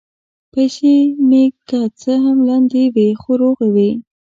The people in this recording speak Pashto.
پیسې مې که څه هم لندې وې، خو روغې وې.